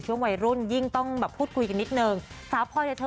ช่วงวัยรุ่นยิ่งต้องแบบพูดคุยกันนิดนึงสาวพอยเธอ